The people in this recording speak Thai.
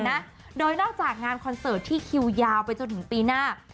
นะโดยนอกจากงานคอนเสิร์ตที่คิวยาวไปจนถึงปีหน้า